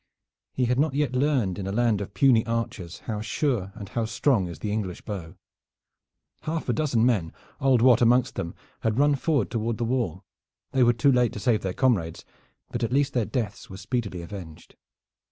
He had not yet learned in a land of puny archers how sure and how strong is the English bow. Half a dozen men, old Wat amongst them, had run forward toward the wall. They were too late to save their comrades, but at least their deaths were speedily avenged.